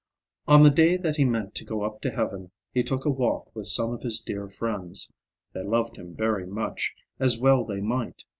On the day that he meant to go up to heaven he took a walk with some of his dear friends. They loved him very much, as well they might.